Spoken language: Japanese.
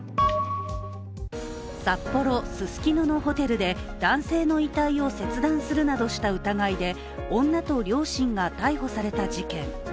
札幌・ススキノのホテルで男性の遺体を切断するなどした疑いで女と両親が逮捕された事件。